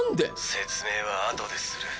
説明はあとでする。